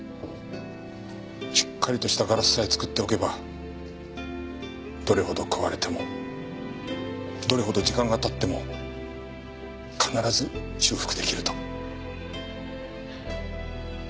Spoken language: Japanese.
しっかりとしたガラスさえ作っておけばどれほど壊れてもどれほど時間が経っても必ず修復出来ると。